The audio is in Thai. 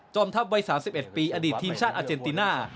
ทัพวัย๓๑ปีอดีตทีมชาติอาเจนติน่า